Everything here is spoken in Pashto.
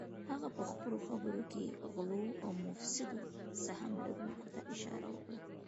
هغه پهخپلو خبرو کې غلو او مفسدو سهم لرونکو ته اشاره وکړه